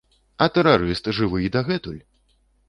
А тэрарыст жывы й дагэтуль!